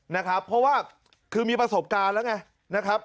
เพราะว่าคือมีประสบการณ์แล้วไง